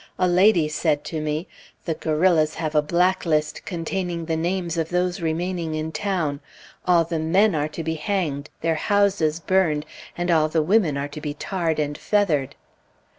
A lady said to me, "The guerrillas have a black list containing the names of those remaining in town. All the men are to be hanged, their houses burned, and all the women are to be tarred and feathered."